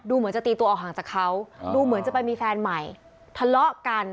เหมือนจะตีตัวออกห่างจากเขาดูเหมือนจะไปมีแฟนใหม่ทะเลาะกัน